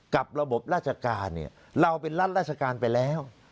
กับระบบราชการเนี่ยเราเป็นรัฐราชการไปแล้ว